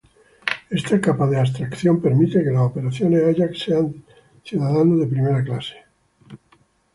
Esta capa de abstracción permite que las operaciones Ajax sean ciudadanos de primera clase.